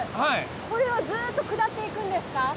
これはずっと下っていくんですか？